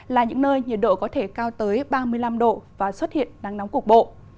là những nơi nhiệt độ có thể cao tới ba mươi năm độ và xuất hiện nắng nóng cục bộ